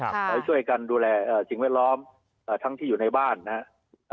ขอให้ช่วยกันดูแลสิ่งแวดล้อมทั้งที่อยู่ในบ้านนะครับ